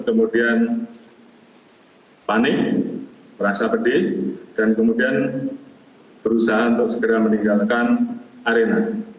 kemudian panik merasa pedih dan kemudian berusaha untuk segera meninggalkan arena